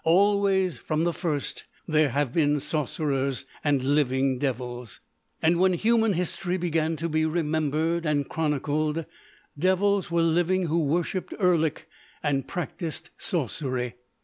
Always, from the first, there have been sorcerers and living devils. "And when human history began to be remembered and chronicled, devils were living who worshiped Erlik and practised sorcery.